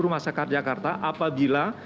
masyarakat jakarta apabila